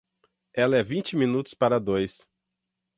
Ela é vinte minutos para dois.